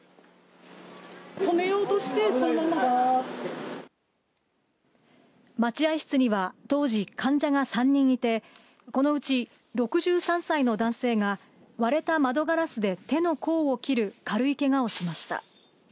止めようとして、待合室には、当時、患者が３人いて、このうち６３歳の男性が割れた窓ガラスで手の甲を切る軽いけがをしました。